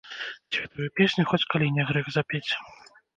Святую песню хоць калі не грэх запець.